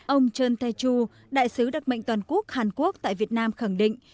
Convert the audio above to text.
ông trần tây chu đại sứ đặc mệnh toàn quốc hàn quốc tại việt nam khẳng định